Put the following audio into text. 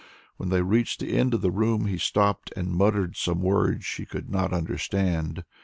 When they reached the end of the room he stopped, and muttered some words she could not understand.